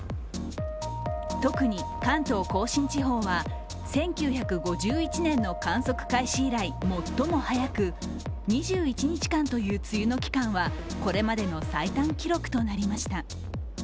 特に関東甲信地方は１９５１年の観測開始以来最も早く、２１日間という梅雨の期間はこれまでの最短記録となりました。